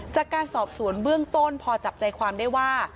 จากการสอบสวนเบื้องต้นพอจับใจความได้ว่า